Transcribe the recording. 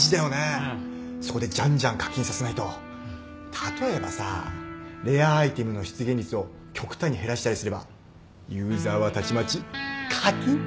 例えばさレアアイテムの出現率を極端に減らしたりすればユーザーはたちまち課金中毒に！